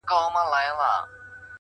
د عمل دوام شخصیت جوړوي؛